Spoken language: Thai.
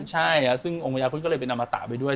ใช่ซึ่งองค์พญาพุทธก็เลยเป็นอมตะไปด้วย